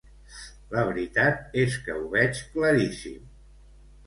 La veritat és que ho veig claríssim.